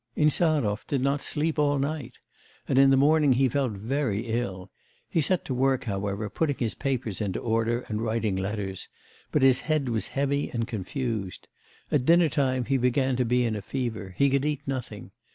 Insarov did not sleep all night, and in the morning he felt very ill; he set to work, however, putting his papers into order and writing letters, but his head was heavy and confused. At dinner time he began to be in a fever; he could eat nothing.